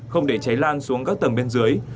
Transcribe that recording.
không để cháy lan xuống các tầng bên dưới